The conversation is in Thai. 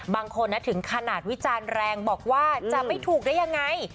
บางคนถึงขนาดวิจารณ์แรงบอกว่าจะไม่ถูกได้ยังไง